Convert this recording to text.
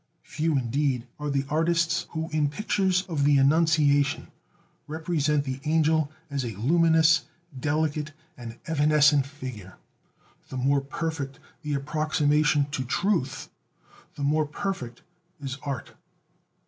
Few indeed are the artists who in pictures of the Annunciation represent the Angel as a luminous, delicate, and evanescent figure. The more perfect the approximation to truth, the more perfect is art.